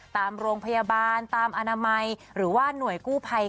ตามโรงพยาบาลตามอนามัยหรือว่าหน่วยกู้ภัย